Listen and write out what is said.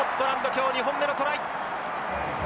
今日２本目のトライ。